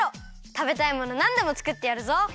たべたいものなんでもつくってやるぞ。